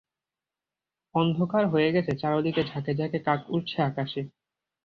অন্ধকার হয়ে গেছে চারদিক ঝাঁকে-ঝাঁকে কাক উড়ছে আকাশে।